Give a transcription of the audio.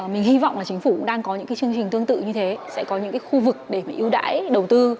mình hy vọng là chính phủ đang có những chương trình tương tự như thế sẽ có những khu vực để yếu đái đầu tư